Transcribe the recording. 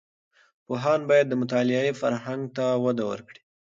پوهاند باید د مطالعې فرهنګ ته وده ورکړي.